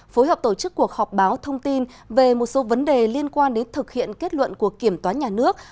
phối hợp tổ chức cuộc họp báo thông tin về một số vấn đề liên quan đến thực hiện kết luận của kiểm toán nhà nước